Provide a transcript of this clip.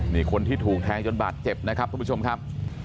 นี่คนที่ถูกแทงจนบาดเจ็บนะครับทุกผู้ชมครับ